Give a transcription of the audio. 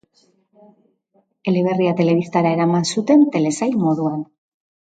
Eleberria telebistara eraman zuten telesail moduan.